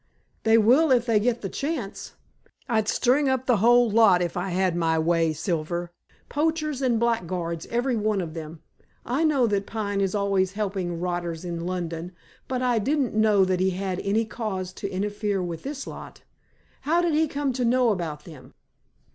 "They will if they get the chance. I'd string up the whole lot if I had my way, Silver. Poachers and blackguards every one of them. I know that Pine is always helping rotters in London, but I didn't know that he had any cause to interfere with this lot. How did he come to know about them?"